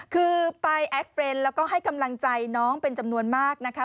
คือไปแอดเฟรนด์แล้วก็ให้กำลังใจน้องเป็นจำนวนมากนะคะ